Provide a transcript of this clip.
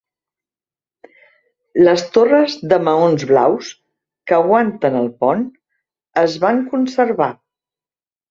Les torres de maons blaus, que aguanten el pont, es van conservar.